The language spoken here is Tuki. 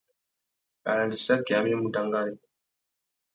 Arandissaki amê i mú dangari.